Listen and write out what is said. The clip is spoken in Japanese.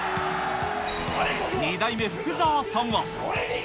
２代目福澤さんは。